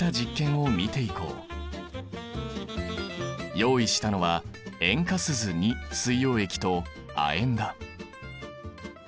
用意したのは塩化スズ水溶液と亜鉛だ。